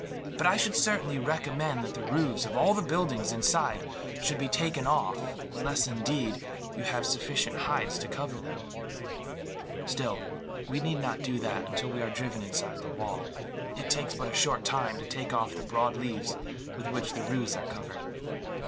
But I should certainly recommend that the roofs of all the buildings inside should be taken off unless, indeed, you have sufficient hides to cover them. Still, we need not do that until we are driven inside the wall. It takes but a short time to take off the broad leaves with which the roofs are covered."